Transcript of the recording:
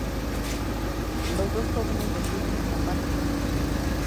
Los dos jóvenes deciden escapar juntos.